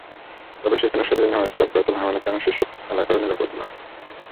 তবে যেখানে সরিয়ে নেওয়া হয়েছে, অব্যাহত ভাঙনের কারণে সেসব এলাকাও নিরাপদ নয়।